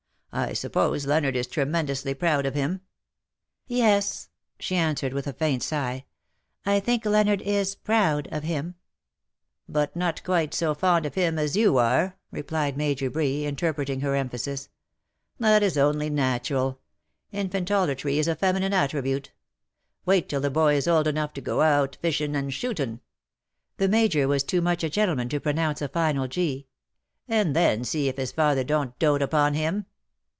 I suppose Leonard is tremendously proud of him." " Yes," she answered with a faint sigh. ^^ I think Leonard is proud of him." THAT THE DAY WILL END." 215 "But not quite so fond of him as you are/' replied IMajor Bree, interpreting her emphasis. '' That is only natural. Infantolatry is a feminine attribute. Wait till the boy is old enough to go out iishin' and shootin *—•'■' the Major was too much a gentleman to pronounce a final g —" and then see if his father don^t dote upon him.''